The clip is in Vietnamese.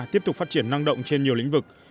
tiếp tục phát triển năng động trên nhiều lĩnh vực